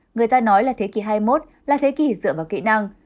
người ta nói là thế kỷ hai mươi một là thế kỷ dựa vào kỹ năng